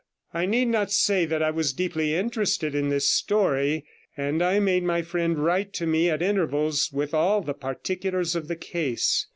I need not say that I was deeply interested in this story, and I made my friend write to me at intervals with all the particulars of the case.